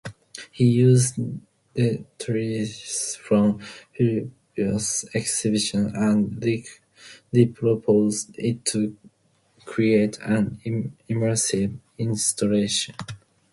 He used detritus from previous exhibitions and repurposed it to create an immersive installation.